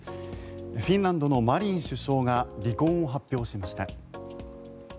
フィンランドのマリン首相が離婚を発表しました。